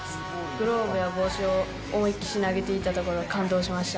グローブや帽子をおもいっきし投げていたところ、感動しました。